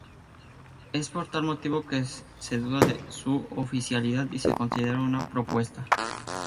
Es por tal motivo que se duda su oficialidad y se considera una propuesta.